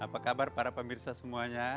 apa kabar para pemirsa semuanya